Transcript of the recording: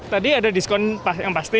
tadi ada diskon yang pasti